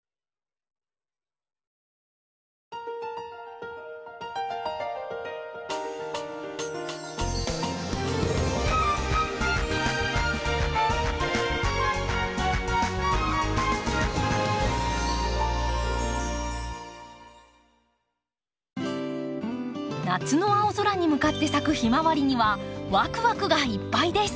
夏の青空に向かって咲くヒマワリにはワクワクがいっぱいです。